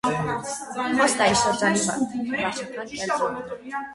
Խոստայի շրջանի վարչական կենտրոնն է։